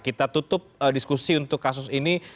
kita tutup diskusi untuk kasus ini